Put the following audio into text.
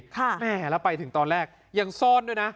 แม่แล้วไปถึงตอนแรกยังซ่อนด้วยนะ